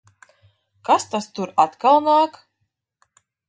Kas tas tur atkal nāk?